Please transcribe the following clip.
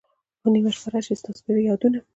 په نیمه شپه را شی ستا سپیره یادونه